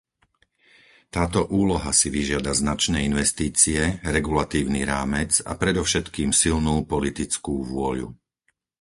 Táto úloha si vyžiada značné investície, regulatívny rámec a predovšetkým silnú politickú vôľu.